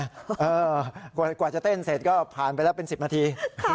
กว่าจะเต้นเสร็จก็ผ่านไปแล้วเป็น๑๐นาที